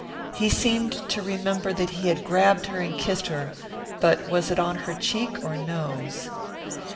He seemed to remember that he had grabbed her and kissed her, but was it on her cheek or nose?